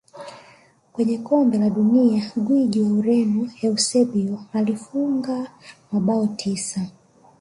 Kwenye kombe la dunia gwiji wa ureno eusebio alifunga mabao tisa